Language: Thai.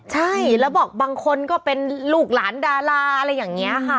ใช่แล้วบอกบางคนก็เป็นลูกหลานดาราอะไรอย่างนี้ค่ะ